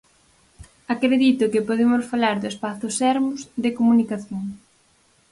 Acredito que podemos falar do espazo Sermos de comunicación.